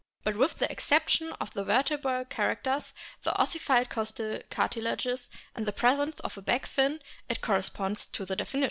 But with the exception of the vertebral characters, the ossified costal cartilages and the presence of a back fin, it corresponds to the definition.